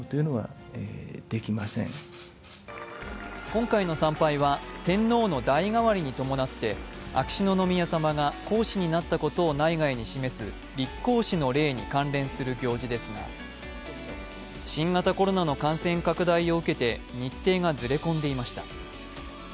今回の参拝は、天皇の代替わりに伴って秋篠宮さまが皇嗣になったことを内外に示す立皇嗣の礼に関連する行事ですが新型コロナの感染拡大を受けて日程がずれ込んでいました。